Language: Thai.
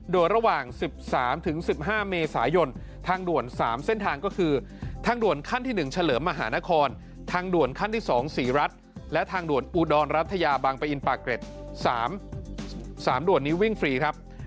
โดยระหว่าง๑๓๑๕เมษายนทางด่วน๓เส้นทางก็คือทางด่วนขั้นที่๑เฉลิมมหานครทางด่วนขั้นที่๒๔รัฐและทางด่วนอุดรรัฐยาบางปะอินปากเกร็ด๓ด่วนนี้วิ่งฟรีครับ